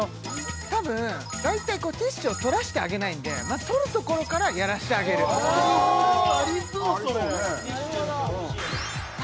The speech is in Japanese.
たぶん大体ティッシュを取らしてあげないんでまず取るところからやらしてあげるなるほどありそうそれありそうね